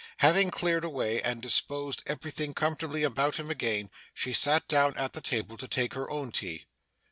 Having cleared away, and disposed everything comfortably about him again, she sat down at the table to take her own tea.